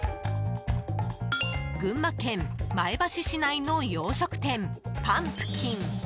群馬県前橋市内の洋食店パンプキン。